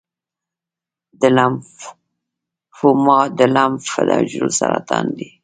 د لمفوما د لمف حجرو سرطان دی.